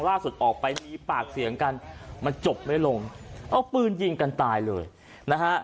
ออกไปมีปากเสียงกันมันจบไม่ลงเอาปืนยิงกันตายเลยนะฮะ